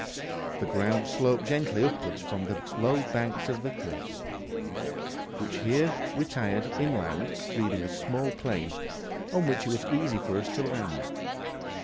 The ground sloped gently upward from the low banks of the cliffs, which here retired inland, leaving a small plain, on which it was easy for us to land.